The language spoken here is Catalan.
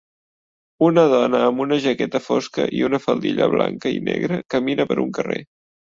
Una dona amb una jaqueta fosca i una faldilla blanca i negra camina per un carrer.